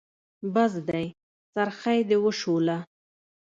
بس دی؛ څرخی دې وشوله.